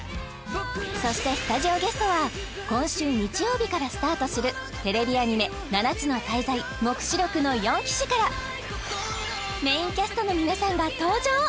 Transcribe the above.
そしてスタジオゲストは今週日曜日からスタートするテレビアニメ「七つの大罪黙示録の四騎士」からメインキャストの皆さんが登場